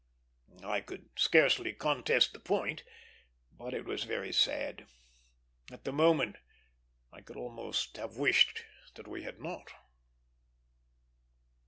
I could scarcely contest the point, but it was very sad. At the moment I could almost have wished that we had not.